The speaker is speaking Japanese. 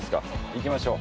行きましょう。